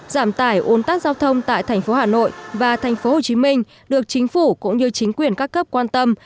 giảm tải ôn tắc giao thông tại thành phố hà nội và thành phố hồ chí minh được chính phủ cũng như chính quyền các cấp quan tâm